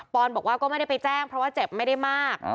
อนบอกว่าก็ไม่ได้ไปแจ้งเพราะว่าเจ็บไม่ได้มาก